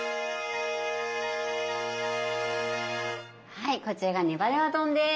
はいこちらが「ねばねば丼」です。